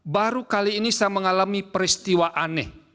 baru kali ini saya mengalami peristiwa aneh